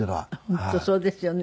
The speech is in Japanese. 本当そうですよね。